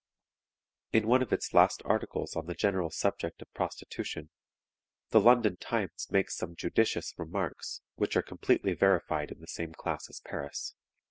"In one of its last articles on the general subject of prostitution, the London Times makes some judicious remarks which are completely verified in the same class in Paris.